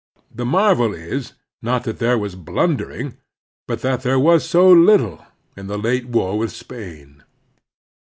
The marvel is, not that there was bltmdering, but that there was so little, in the late war with Spain.